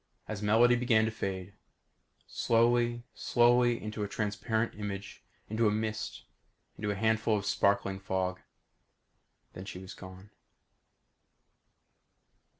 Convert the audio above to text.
As Melody began to fade. Slowly, slowly, into a transparent image, into a mist, into a handful of sparkling fog. Then she was gone.